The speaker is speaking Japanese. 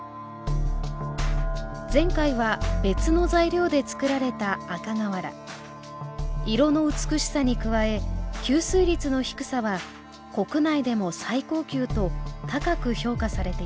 前回は別の材料で作られた赤瓦色の美しさに加え吸水率の低さは国内でも最高級と高く評価されていました。